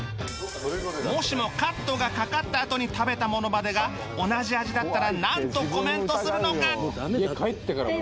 もしもカットがかかったあとに食べたものまでが同じ味だったらなんとコメントするのか？